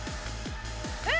え！